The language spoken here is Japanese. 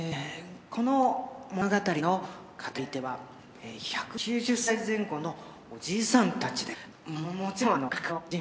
この物語の語り手は１９０歳前後のおじいさんたちです。